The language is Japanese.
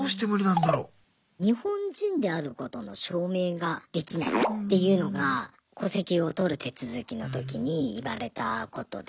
日本人であることの証明ができないっていうのが戸籍をとる手続きの時に言われたことで。